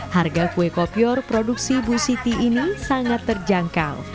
harga kue kopior produksi bu siti ini sangat terjangkau